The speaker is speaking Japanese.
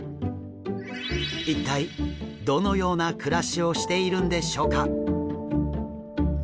一体どのような暮らしをしているんでしょうか？